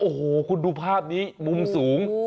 โอ้โหคุณดูภาพนี้มุมสูง